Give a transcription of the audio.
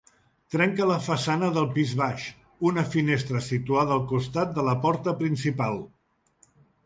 Trenca la façana del pis baix, una finestra situada al costat de la porta principal.